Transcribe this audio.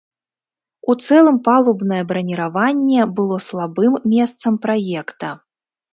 У цэлым, палубнае браніраванне было слабым месцам праекта.